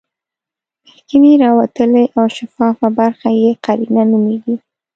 مخکینۍ راوتلې او شفافه برخه یې قرنیه نومیږي.